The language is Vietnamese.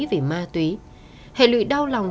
về ma túy hệ lụy đau lòng